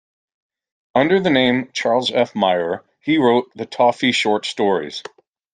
Under the name "Charles F Myer", he wrote the "Toffee" short stories.